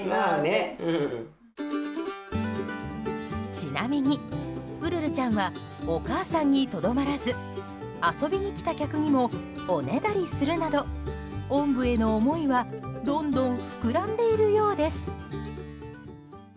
ちなみに、ウルルちゃんはお母さんにとどまらず遊びに来た客にもおねだりするなどおんぶへの思いはどんどん膨らんでいるようです。